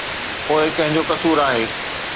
پوءِ ڪنهن جو قصور آهي؟